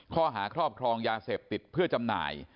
ข้อหาครอบครองยาเสพติดเพื่อจำหน่าย